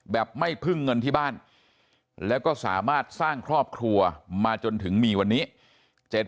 แบบไม่พึ่งเงินที่บ้านแล้วก็สามารถสร้างครอบครัวมาจนถึงมีวันนี้